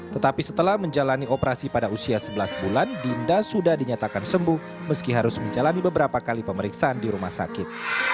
tetapi setelah menjalani operasi pada usia sebelas bulan dinda sudah dinyatakan sembuh meski harus menjalani beberapa kali pemeriksaan di rumah sakit